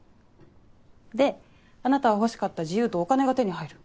であなたは欲しかった自由とお金が手に入る。